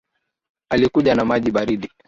Alikuja na maji baridi